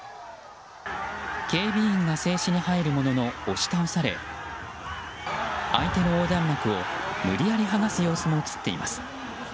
警備員が制止に入るものの押し倒され相手の横断幕を無理やり剥がす様子も映っています。